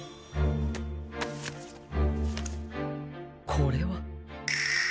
これは。